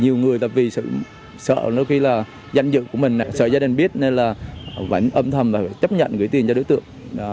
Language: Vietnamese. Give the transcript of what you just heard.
nhiều người vì sợ đôi khi là danh dự của mình sợ gia đình biết nên là vẫn âm thầm và chấp nhận gửi tiền cho đối tượng